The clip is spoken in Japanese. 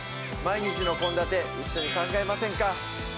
毎日の献立一緒に考えませんか？